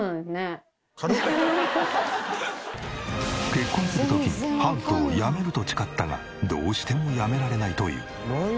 結婚する時にハントをやめると誓ったがどうしてもやめられないという。